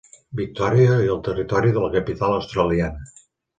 Victòria i el Territori de la Capital Australiana.